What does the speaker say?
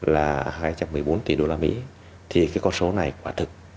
là hai trăm một mươi bốn tỷ đô la mỹ thì cái con số này quả thực